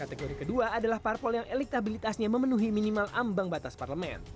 kategori kedua adalah parpol yang elektabilitasnya memenuhi minimal ambang batas parlemen